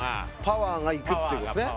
パワーがいくっていうことですね。